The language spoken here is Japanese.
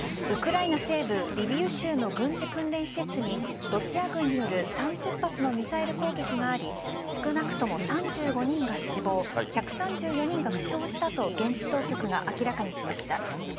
ウクライナ西部・リビウ州の軍事訓練施設にロシア軍による３０発のミサイル攻撃があり少なくとも３５人が死亡１３４人が負傷したと現地当局が明らかにしました。